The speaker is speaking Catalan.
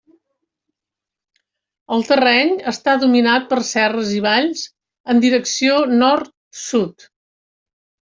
El terreny està dominat per serres i valls en direcció nord-sud.